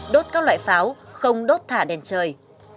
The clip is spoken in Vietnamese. đốt các loại pháo không đốt thả đèn trời